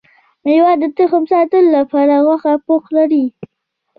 ميوه د تخم ساتلو لپاره غوښه پوښ لري